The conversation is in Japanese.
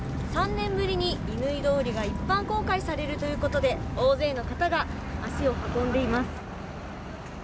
３年ぶりに乾通りが一般公開されるということで大勢の方が足を運んでいます。